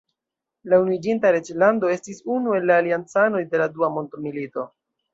La Unuiĝinta Reĝlando estis unu el la Aliancanoj de la Dua Mondmilito.